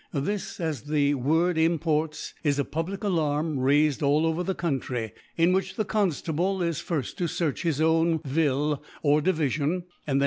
This, as the Word imports, is a public A larm raifed all over the Country, in which the Gonftable is firft to fearch his own Vjll or Divifion, and then